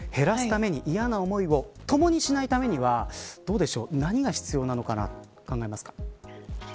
けど減らすために嫌な思いをともにしないためには何が必要かなと考えますか。